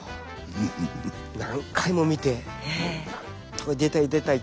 何回も見てなんとか出たい出たい。